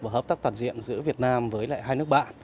và hợp tác toàn diện giữa việt nam với lại hai nước bạn